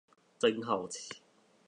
真好奇